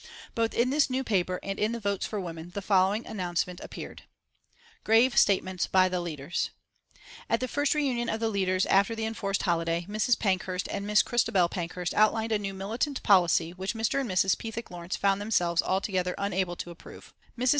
Both in this new paper and in Votes for Women, the following announcement appeared: GRAVE STATEMENT BY THE LEADERS At the first reunion of the leaders after the enforced holiday, Mrs. Pankhurst and Miss Christabel Pankhurst outlined a new militant policy which Mr. and Mrs. Pethick Lawrence found themselves altogether unable to approve. Mrs.